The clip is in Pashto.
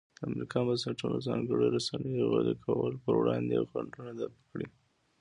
د امریکا بنسټونو ځانګړنو رسنیو غلي کولو پر وړاندې خنډونه دفع کړي.